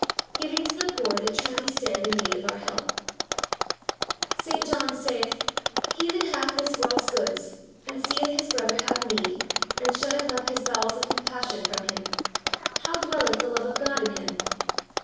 Giving to the Poor that truly stand in need of our Help. St. John saith, "He that hath this world's goods, and seeth his brother have need, and shutteth up his bowels of compassion from him, how dwelleth the love of God in him?"